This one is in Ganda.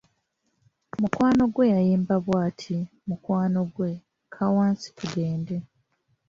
Mukwano gwe yayimba bwati, mukwano gwange, kka wansi tugende.